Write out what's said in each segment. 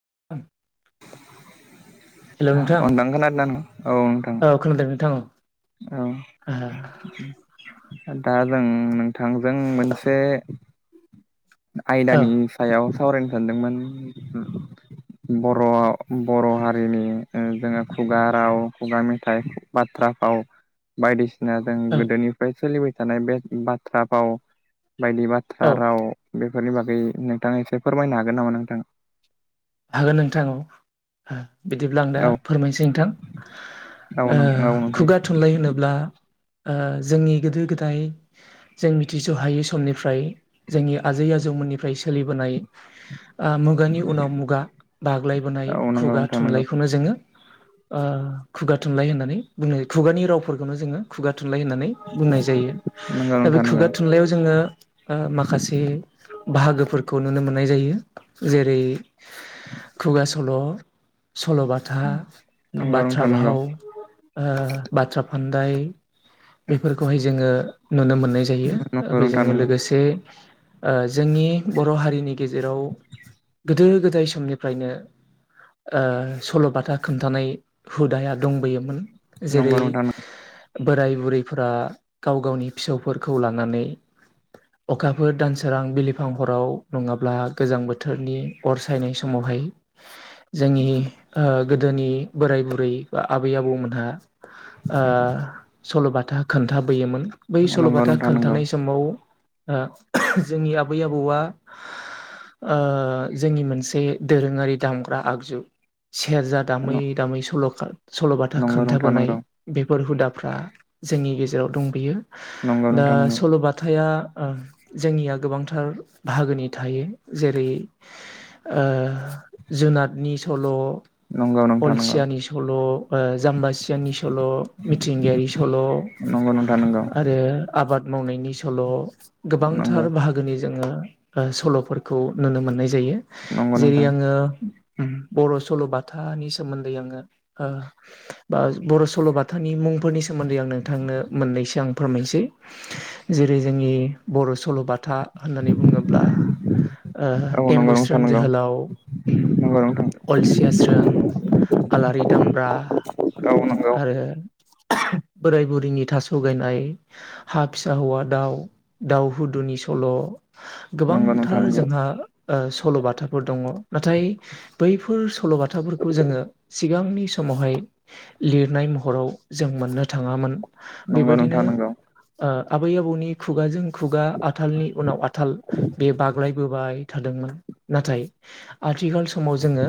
[inaudible] हेल' अ नोंथां खोनादोंना नों औ नोंथां औ खोनादों नोंथां औ औ। दा जों नोंथांजों मोनसे औ आयदानि सायाव सावरायनो सानदोंमोन बर'आव बर' हारिनि जोङो खुगा राव खुगा मेथाइ बाथ्रा फाव बायदिसिना ना जों औ गोदोनिफ्राय सोलिबाय थानाय बे बाथ्रा भाव बायदि औ बाथ्रा राव बेफोरनि बागै नोंथाङा एसे फोरमायनो हागोन नामा नोंथां? हागोन नोंथां। बिदिब्ला आं दा औ फोरमायनोसै नोंथां औ नों औ नोंथां खुगा औ थुनलाइ होनोब्ला जोंनि गोदो गोदाय जों मिथिस' हायै समनिफ्राय जोंनि आजै आजौ नि सोलिबोनाय मुगानि उनाव खुगा बाग्लायबोनाय नंगौ खुगा थुनलाइखौनो जोङो खुगा थुनलाइ होननानै बुंनाय खुगानि रावफोरखौनो जोङो खुगा थुनलाइ होननानै बुंनाय जायो दा बे नोंथां नंगौ खुगा थुनलायाव जोङो माखासे बाहागोफोरखौ नुनो मोननाय जायो जेरै खुगा सल' सल'बाथा, नंगौ बाथ्रा नोंथां नंगौ भाव, ओ बाथ्रा फान्दाय बेफोरखौहाय जोङो नुनो मोननाय जायो नंगौ नोंथां बेजोंनो नंगौ लोगोसे। ओ जोंनि बर' हारिनि गेजेराव गोदो जाय समनिफ्रायनो सल'बाथा खोन्थानाय हुदाया दंबोयोमोन जेरै नंगौ नोंथां नंगौ बोराय बुरैफोरा गाव गावनि फिसौफोरखौ लानानै अखाफोर दानसोरां बिलिफां हराव नङाब्ला गोजां बोथोरनि अर सेर फोथायनाय समावहाय जोंनि गोदोनि बोराय बुरै बा आबै आबौमोनहा सल'बाथा खोन्थाबोयोमोन बै नंगौ नोंथां नंगौ सल'बाथा नोंथां खोन्थानाय नंगौ समाव जोंनि आबै आबौआ ओ जोंनि मोनसे मोनसे दोरोङारि दामग्रा आगजु सेरजा दामै दामै सल'खार सल'बाथा नंगौ नोंथां खोन्थाबोनाय नंगौ बेफोर हुदाफ्रा जोंनि गेजेराव दं बियो। नंगौ दा नोंथां नंगौ सल'बथाया जोंनिया गोबांथार बाहागोनि थायो जेरै जुनादनि सल' नंगौ। नोंथां नंगौ अलसियानि सल' जाम्बासियाननि सल' मिथिंगायारि सल'। नंगौ नोंथां नंगौ आरो आबाद मावनायनि सल' गोबांथार नंगौ बाहागोनि जोङो सल'फोरखौ नुनो मोननाय जायो नंगौ जेरै नोंथां आङो बर' सल'बाथानि सोमोन्दै आङो ओ बर' सल'बाथानि मुं फोरनि सोमोन्दै आं नोंथांनो मोननैसो आं फोरमायनोसै जेरै जोंनि बर' सल'बाथा। होननानै बुङोब्ला औ ओ नंगौ नोंथां एम्बुस्रोन नंगौ जोहोलाव उ। नंगौ नोंथां अलसिया स्रोन आलारि दामब्रा औ आरो [inaudible] बोराय बुरैनि थास' गायनाय हा फिसा हौवा दाउ दाउ हुदुनि सल' नंगौ नंगौ नोंथां गोबांथार नंगौ जोंहा ओ सल'बाथाफोर दङ नाथाय बैफोर सल'बाथाफोरखौ जोङो सिगांनि समावहाय लिरनाय महराव जों मोननो थाङामोन बेबायदिनो ओ आबै आबौनि खुगाजों खुगा आथालनि उनाव आथाल बे बाग्लायबोबाय थादोंमोन नाथाय आ आथिखाल समाव जोङो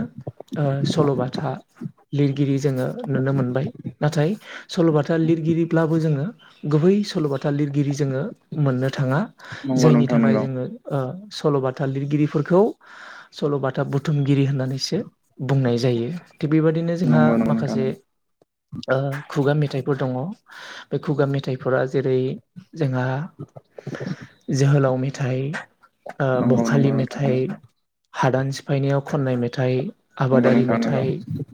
ओ सल'बाथा लिरगिरि जोङो नुनो मोनबाय नाथाय सल'बाथा लिरगिरिब्लाबो जोङो गुबै सल'बाथा लिरगिरि जोङो मोननो थाङा नंगौ जायनि नोंथां थाखाय नंगौ जोङो ओ सल'बाथा लिरगिरिफोरखौ सल'बाथा बुथुमगिरि होननानैसो बुंनाय जायो थिग बेबादिनो जोंहा नंगौ नोंथां माखासे नंगौ ओ खुगा मेथाइफोर दङ। बे खुगा मेथाइफोरा जेरै जोंहा जोहोलाव मेथाइ ओ नंगौ नंगौ बखालि नोंथां मेथाइ, हादान सिफायनायाव खननाय मेथाइ, नंगौ नंगौ नोंथां नंगौ आबादारि नोंथां मेथाइ,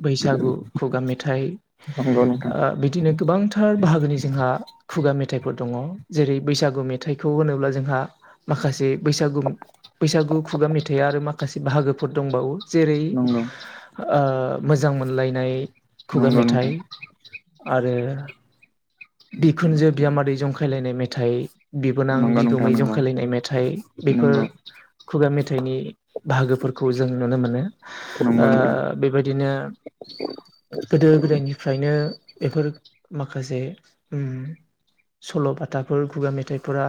बैसागु खुगा मेथाइ ओ बिदिनो गोबां गोबांथार बाहागोनि जोंहा खुगा मेथाइ दङ जेरै बैसागु मेथाइखौ होनोब्ला जोंहा माखासे बैसागु बैसागु खुगा मेथाइ माखासे बाहागोफोर दंबावो जेरै नंगौ नंगौ ओ मोजां मोनलायनाय खुगा नोंथां मेथाइ आरो बिखुनजो बिजामादै जंखायलायनाय मेथाइ, बिबोनां नंगौ नंगौ नोंथां नंगौ नोंथां बिगुमै नंगौ जंखायलायनाय मेथाइ बेफोर नंगौ खुगा मेथा इ बाहागोफोरखौ जों नुनो मोनो नंगौ ओ बेबायदिनो गोदो गोदायनिफ्रायनो बेफोर माखासे उम सल'बाथाफोर खुगा मेथाइफोरा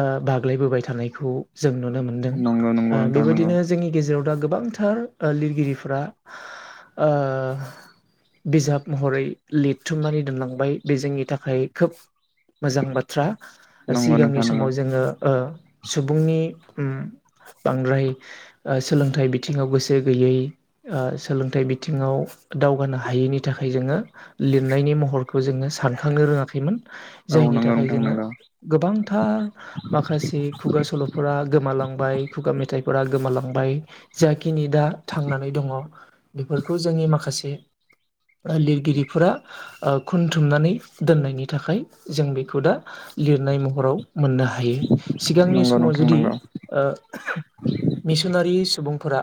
ओ बाग्लायबोबाय थानायखौ जों नुनो मोनदों ओ नोंथां नंगौ बेबायदिनो जोंनि गेजेराव दा गोबांथार ओ लिरगिरिफोरा ओ बिजाब महरै लिरथुमनानै दोनलांबाय बे जोंनि थाखाय खोब मोजां बाथ्रा। नंगौ सिगांनि नोंथां नंगौ समाव जोङो ओ सुबुंनि उ बांद्राय ओ सोलोंथाइ बिथिङाव गोसो गैयै ओ सोलोंथाइ बिथिङाव दावगानो हायैनि थाखाय जोङो लिरनायनि महरखौ जोङो सानखांनो रोङाखैमोन। जायनि नंगौ थाखाय नोंथां जोङो नंगौ औ गोबांथार माखासे खुगा सल'फोरा गोमालांबाय। खुगा मेथाइफोरा गोमालांबाय जा खिनि दा थांनानै दङ बेफोरखौ जोंनि माखासे लिरगिरिफोरा ओ खुनथुमनानै दोननायनि थाखाय जों बेखौ दा लिरनाय महराव मोननो हायो। सिगांनि नंगौ समाव नोंथां जुदि नंगौ ओ मिसनारि सुबुंफोरा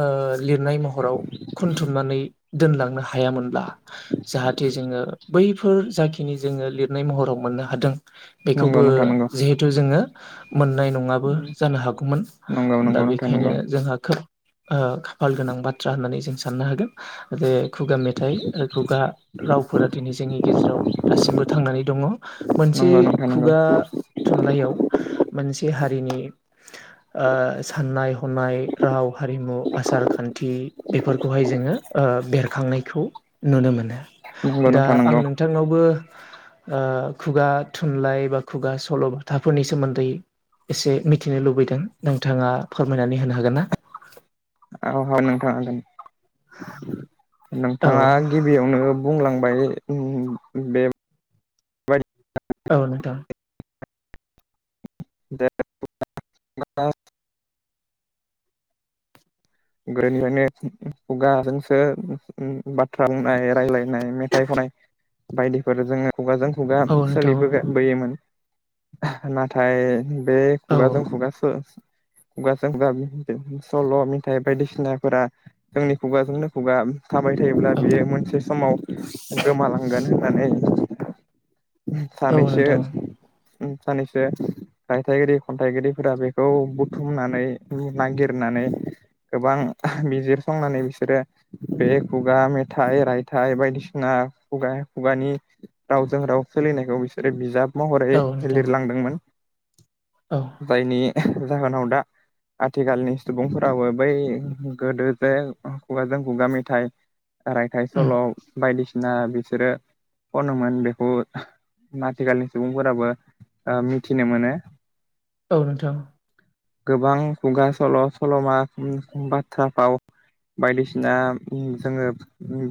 ओ लिरनाय महराव खनथुमनानै दोनलांनो हायामोनब्ला जाहाथे जोङो बैफोर जाखिनि जोङो लिरनाय महराव मोन मोननो हादों नंगौ बेखौबो नोंथां नंगौ नंगौ नोंथां नंगौ जिहेथु जोङो मोननाय नङाबो जानो हागौमोन। नंगौ दा नंगौ नोंथां बेखायनो नंगौ जोंहा खोब ओ खाफाल गोनां बाथ्रा होननानै जों साननो हागोन बे खुगा मेथाइ आरो खुगा रावफोरा दिनै जोंनि गेजेराव दासिमबो थांनानै दङ। मोन नसे नंगौ नोंथां नंगौ खुगा थुनलाइयाव मोनसे हारिनि [inaudible] ओ साननाय हनाय राव हारिमु आसार खान्थि बेफोरखौहाय जोङो ओ बेरखांनायखौ नुनो मोनो नंगौ दा नोंथां आं नंगौ नोंथांनावबो खुगा थुनलाइ बा खुगा सल'बाथाफोरनि सोमोन्दै एसे मिथिनो लुबैदों नोंथाङा फोर औ नोंथाङ गोन। औ नोंथाङा गिबियावनो बुंलांबाय ओम बे बा [unintelligible] औ नोंथां। [unintelligible] गोदोनिफ्रायनो खुगाजोंसो बाथ्रा बुंनाय रायलायनाय मेथाइ खन नाय बायदिफोर जोङो खुगाजों खुगा औ नोंथां सोलिबोगा बोयोमोन नाथाय बे औ खुगाजों खुगासो खुगाजों द' सल' थाय बायदिसिनाफोरा जोंनि खुगाजोंनो खुगा थाबाय थायोब्ला औ बियो मोनसे समाव गोमालांगोन होननानै औ सानैसो। नोंथां साननैसो रायथाइगिरि खन्थाइगिरिफोरा बेखौ बुथुमनानै नागिरनो होननानै गोबां बिजिरसंनानै बिसोरो बे खुगा मेथाइ रायथाइ बायदिसिना खुगा खुगानि रावजों राव सोलिनायखौ बिसोरो बिजाब औ महरै नोंथां लिरलांदोंमोन। औ जायनि जाहोनाव दा आथिखालनि सुबुंफोराबो बै गोदो जे खुगाजों खुगा मेथाइ रायथाइ उम सल' बायदिसिना बिसोरो खनोमोन बेखौ आथिखालनि सुबुंफोराबो ओ मिथिनो मोनो। औ नोंथां। गोबां खुगा सल' सल'मा बाथ्रा फाव बायदिसिना जोङो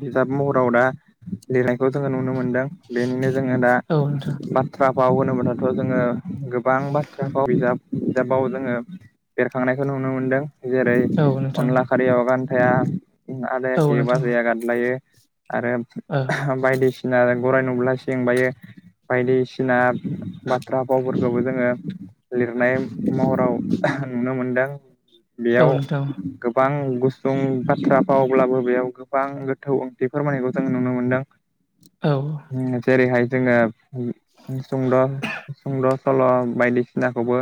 बिजाब महराव दा लिरनायखौ जोङो नुनो नुनो मोनदों बेनिनो जोङो दा औ नोंथां बाथ्रा फाव होनो मोनो जोङो गोबां बाथ्राखौ बिजाब बिजाबाव जोङो बेरखांनायखौ नुनो मोनदों जेरै औ नोंथां अनला खारियावगान थाया औ आलाखि बास नोंथां गादलायो। आरो औ बायदिसिना गराय नुब्ला सिं बायो। बायदिसिना बाथ्रा फावफोरखौबो जोङो लिरनाय महराव नुनो मोनदों बेयाव औ नोंथां गोबां गुसुं बाथ्रा फावब्लाबो बेयाव गोबां गोथौ ओंथि फोरमायनायखौ जोंङो नुनो मोनदों। औ ओम जेरैहाय जोङो सुंद' सुंद' सल' बायदिसिनाखौबो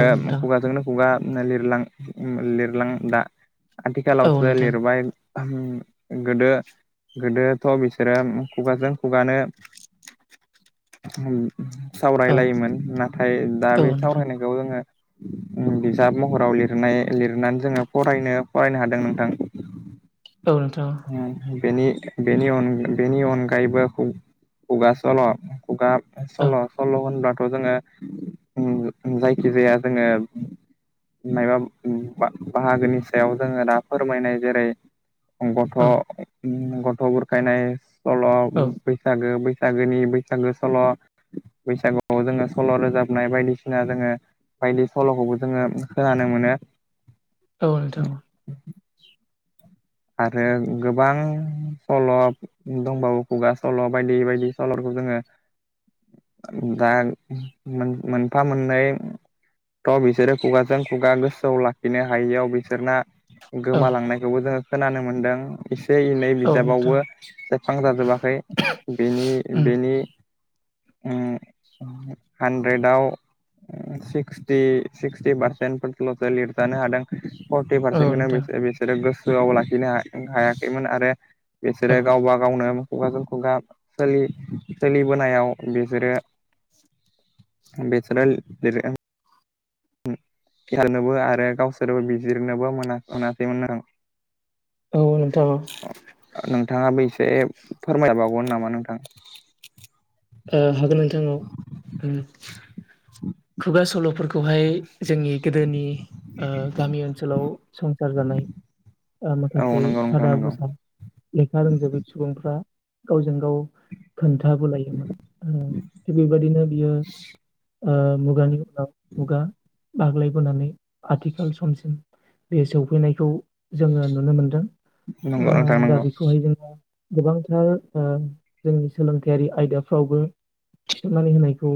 औ नोंथां खुगाजोंनो खुगा लिरलां लिरलां दा औ आथिखालावसो नोंथां लिरबाय गोदो गोदोथ' बिसोरो खुगाजों खुगानो औ सावरायलायोमोन नाथाय दा औ बे नोंथां सावरायनायखौ जोङो मोन जाब महराव लिर लनाय लिरनानै जोङो फरायनो फरायनो हादों नोंथां। औ नोंथ'। बेनि बेनि बेनि अनगायैबो खुगाासल' खुगा सल' औ सल' होनब्ला जोङो जायखि जाया जोङो मबा बाहागोनि सायाव जोङो दा फोरमायनाय जेरै गथ' औ गथ' बुरखायनाय सल' औ बैसागो बै बैसागोनि बैसागो सल' बैसागुआव जोङो सल' रोजाबनाय बायदिसिना जोङो बायदि सल'खौबो जोङो ओ नोंनो औ नोंथां आरो गोबां सल' दंबावो खुगा सल' बायदि बायदि सल'फोरखौ जोंओ दा मोनफा मोननै थ' बिसोरो खुगाजों खुगा गोसोआव लाखिनो हायियाव बिसोरना औ गोमालांनायखौबो जोङो खोनानो मोनदों इनै औ नोंथां बिजाबावबो सेबखां जाजोबाखै बेनि उम बेनि उ उ हानद्रेदाव सिक्सटि सिक्सटि बारसेन फोरखौल जा लिरजानो हादों फरथि औ पारसेन्टखौनो नोंथां बिसोर बिसोरो गोसोआव लाखिनो हा हायाखैमोन आरो औ बिसोरो गावबा गावनो खुगाजों खुगा सोलि सोलिबोनायाव बिसोरो बेसोरो लिर लिरो। खिआनोबा आरो गावसोरबो बिजिरनोबो मोना मोनासैमोन आरो औ नोंथाङ औ नोंथां आबो एसे फोरमायबावगोन नामा नोंथा उ हागोन नोंथां उ खुगा सल'फोरखौहाय जोंनि गोदोनि ओ गामि ओनसोलाव संसार जानाय ओ औ माखासे नंगौ नोंथां सादा नंगौ भुसा लेखा रोंजोबै सुबुंफ्रा गावजों गाव खोन उ थिग बेबायदिनो बियो ओ मुगानि उनाव मुगा बाग्लायबोनानै आथिखाल समसिम बे सफैनायखौ जोङो नुनो मोनदों नंगौ ओ नोंथां दा नंगौ बेखौहाय जोङो गोबांथार ओ जोंनि सोलोंथायारि आयदाफोर फ्रावबो सोनानै होनायखौ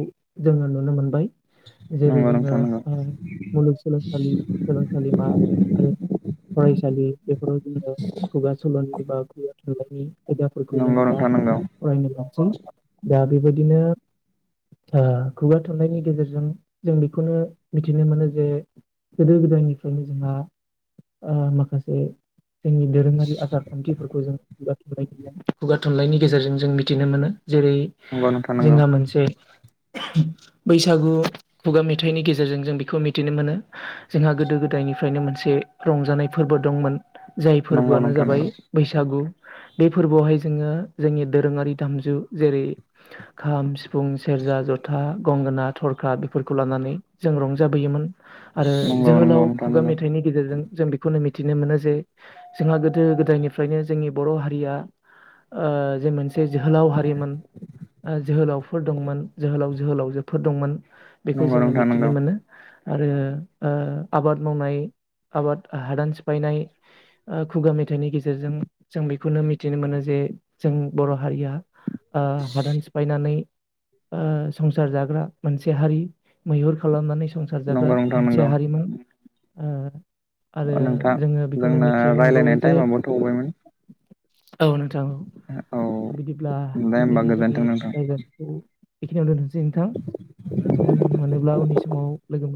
जोङो नुनो मोनबाय जेरै नंगौ जोङो नोंथां नंगौ उ मुलुगसोलोंसालि सोलोंसालिमा आरो फरायसालि बेफोराव बेयाव खुगा सल'नि बा खु गानि आयदाफोरखौ नंगौ जोङो नोंथां दा नंगौ फरायनो लासै दा बेबायदिनो ओ खुगा थुनलाइनायनि गेजेरजों जों बेखौनो मिथिनो मोनो जे गोदो गोदायनिफ्रायनो जोंहा ओ माखासे जोंनि दोरोङारि आसार खान्थिफोरखौ जों लाखिबाय खुगा थुनलाइनि गेजेरजों जों मिथिनो मोनो जेरै नंगौ नोंथां नंगौ जोंहा मोनसे बैसागु खुगा मेथाइनि गेजेरजों जों बेखौ मिथिनो मोनो जोंहा गोदो गोदाय निफ्रायनो मोनसे रंजानाय फोरबो दंमोन जाय नंगौ फोरबोआनो नोंथां जाबाय नंगौ बैसागु बे फोरबोआवहाय जोङो जोंनि दोरोङारि दामजु जेरै खाम सिफुं सेरजा जथा गंगोना थरखा बेफोरखौ लानानै जों रंजाबोयोमोन आरो नंगौ नंगौ जोहोलाव नोंथां खुगा नंगौ मेथाइनि गेजेरजों जों बेखौनो मि थिनो मोनो जे जोंहा गोदो गोदायनिफ्रायनो जोंनि बर' हारिया ओ जे मोनसे जोहोलाव बे मोन ओ जोहोलावफोर दंमोन जोहोलाव जोहोलावजोफोर दंमोन बेखौ नंगौ जोङो नोंथां मिथिनो नंगौ मोनो आरो ओ आबाद मावनाय आबाद हादान सिफायनाय ओ खुगा मेथाइनि गेजेरजों जों बेखौनो मिथिनो मोनो जे जे जों बर' हारिया ओ हादान सिफायनानै ओ संसार जाग्रा मोनसे हारि मैहुर खालामनानै संसार जाग्रा नंगौ नोंथां मोनसे नंगौ हारिमु उ आरो नोंथां जोङो बेखौनो जोंना मिथिनो मोनबावो रायलायनाय जे टाइमाबो थौबायमोन औ नोंथां औ बिदिब्ला दे होमबा दिनैनि जोंनि गोजोन्थों नोंथां रायज्लायनायखौ बेखिनियावन दोनथसै नोंथां सम मोनोब्ला उननि समाव लोगो मोन